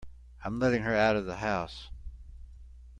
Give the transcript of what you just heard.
I'm letting her out of the house.